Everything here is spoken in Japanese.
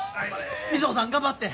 水帆さん頑張って！